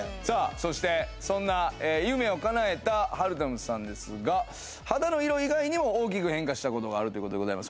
そしてそんな夢をかなえたはるたむさんですが肌の色以外にも大きく変化したことがあるということでございます